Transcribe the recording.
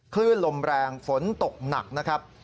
คลื่นลมแรงฝนตกหนักนะครับ